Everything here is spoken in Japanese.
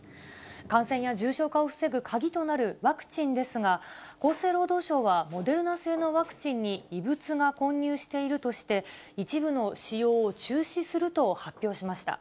感染や重症化を防ぐ鍵となるワクチンですが、厚生労働省は、モデルナ製のワクチンに異物が混入しているとして、一部の使用を中止すると発表しました。